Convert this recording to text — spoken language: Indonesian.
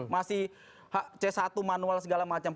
masih c satu manual segala macam